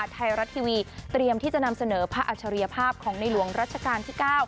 ไทยรัฐทีวีเตรียมที่จะนำเสนอพระอัจฉริยภาพของในหลวงรัชกาลที่๙